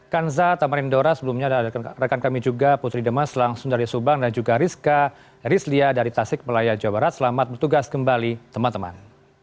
kanza tamarindora sebelumnya ada rekan kami juga putri demas langsung dari subang dan juga rizka rizlia dari tasik malaya jawa barat selamat bertugas kembali teman teman